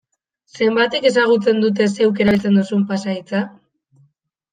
Zenbatek ezagutzen dute zeuk erabiltzen duzun pasahitza?